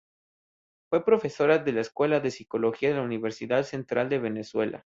Fue profesora de la Escuela de Psicología de la Universidad Central de Venezuela.